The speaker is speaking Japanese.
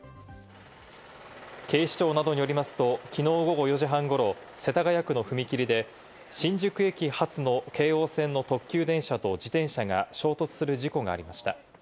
警視庁などによりますと、きのう午後４時半ごろ、世田谷区の踏切で新宿駅発の京王線の特急電車と自転車が衝突する事故がありました。